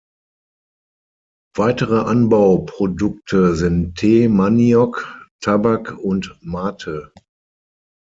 Weitere Anbauprodukte sind Tee, Maniok, Tabak und Mate.